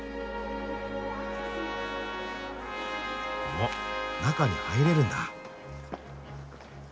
あ中に入れるんだ。